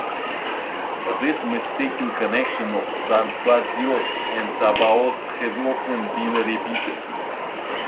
This mistaken connection of Sabazios and Sabaos has often been repeated.